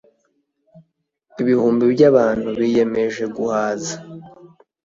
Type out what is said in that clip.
Ibihumbi byabantu biyemeje guhaza